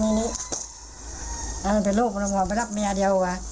มันบอกว่ามันไปรับเมียเดียวอยู่ค่ะ